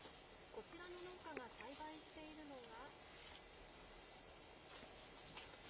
こちらの農家が栽培しているのが。